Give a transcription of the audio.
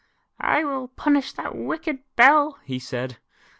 " I will punish that wicked bell," he said.